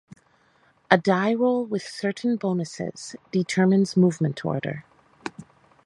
A die roll with certain bonuses determines movement order.